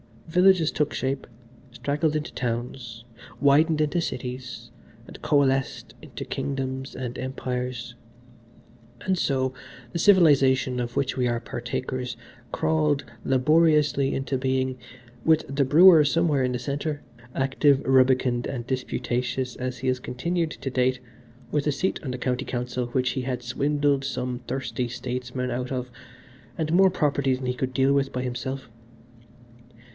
Villages took shape, straggled into towns, widened into cities and coalesced into kingdoms and empires: and so, the civilisation of which we are partakers crawled laboriously into being, with the brewer somewhere in the centre, active, rubicund and disputatious, as he has continued to date, with a seat on the County Council which he had swindled some thirsty statesman out of, and more property than he could deal with by himself.